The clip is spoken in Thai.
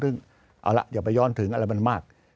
เอาล่ะอย่าไปย้อนถึงเอาล่ะมันมาก